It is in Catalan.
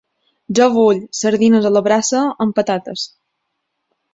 Jo vull sardines a la brasa amb patates.